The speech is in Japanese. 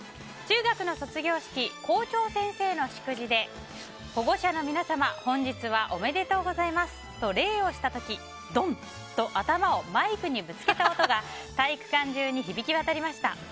中学の卒業式校長先生の祝辞で、保護者の皆様本日はおめでとうございますと礼をした時、ドン！と頭をマイクにぶつけた音が体育館中に響き渡りました。